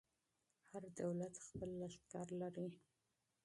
هر دولت خپل لښکر لري.